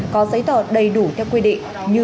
có giấy tờ đầy đủ theo quy định